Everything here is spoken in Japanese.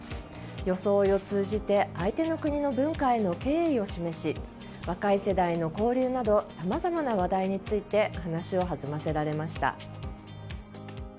装いを通じて相手の国の文化への敬意を示し若い世代の交流などさまざまな話題について話をはずませられました。